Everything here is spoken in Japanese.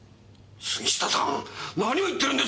杉下さん何を言ってるんですか！？